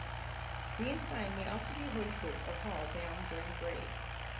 The Ensign may also be hoisted or hauled down during a parade.